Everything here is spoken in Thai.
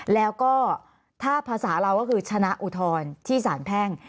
แล้วก็ถ้าภาษาเราก็คือชนะอุทธรณ์ที่สารแพ่ง